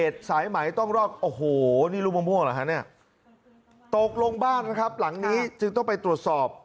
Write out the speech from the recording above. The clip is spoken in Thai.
ตกลงบ้านนะครับหลังนี้จึงต้องไปตรวจสอบ